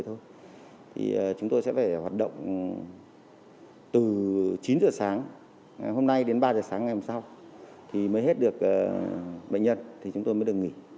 từ chín giờ sáng hôm nay đến ba giờ sáng ngày hôm sau thì mới hết được bệnh nhân thì chúng tôi mới được nghỉ